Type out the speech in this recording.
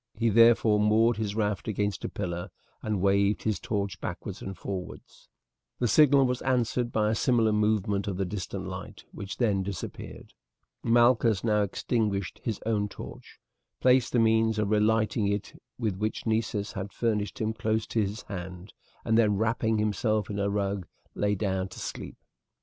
He therefore moored his raft against a pillar and waved his torch backwards and forwards. The signal was answered by a similar movement of the distant light, which then disappeared. Malchus now extinguished his own torch, placed the means of relighting it with which Nessus had furnished him close to his hand, and then, wrapping himself in a rug, lay down to sleep.